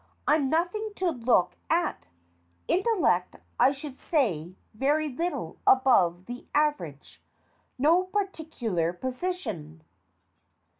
I'm nothing to look at. Intellect, I should say, very little above the aver age. No particular position.